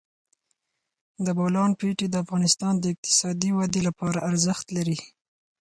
د بولان پټي د افغانستان د اقتصادي ودې لپاره ارزښت لري.